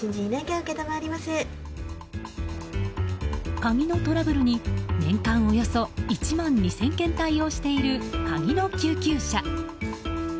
鍵のトラブルに年間およそ１万２０００件対応してるカギの救急車。